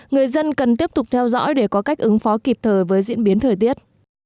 người dân cần tiếp tục theo dõi để có cách ứng phó kịp thời với diễn biến thời tiết